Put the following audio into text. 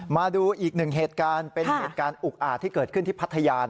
มาดูอีกหนึ่งเหตุการณ์เป็นเหตุการณ์อุกอาจที่เกิดขึ้นที่พัทยา